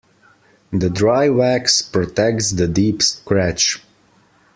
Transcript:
The dry wax protects the deep scratch.